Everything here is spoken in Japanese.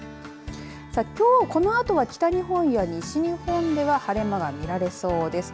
さあ、きょうこのあとは北日本や西日本では晴れ間が見られそうです。